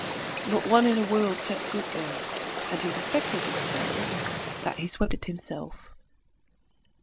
No one in the world set foot there, and he respected it so, that he swept it himself.